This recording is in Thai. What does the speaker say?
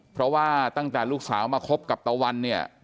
เพราะว่าตั้งแต่ลูกสาวมาคบกับตะวันเนี่ย